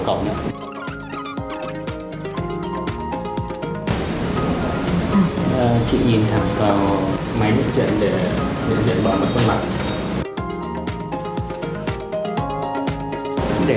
chị nhìn hẳn vào máy lưỡi chân để nhận diện bọn mà không lặn